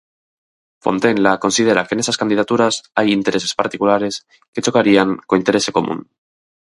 Fontenla considera que nesas candidaturas hai "intereses particulares" que chocarían "co interese común".